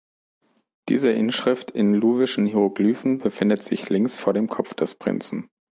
Diese Inschrift in luwischen Hieroglyphen befindet sich links vor dem Kopf des Prinzen.